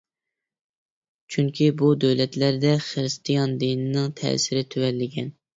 چۈنكى بۇ دۆلەتلەردە خىرىستىيان دىنىنىڭ تەسىرى تۆۋەنلىگەن.